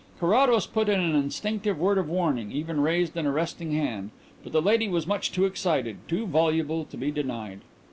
Carrados put in an instinctive word of warning, even raised an arresting hand, but the lady was much too excited, too voluble, to be denied.